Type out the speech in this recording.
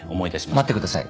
待ってください。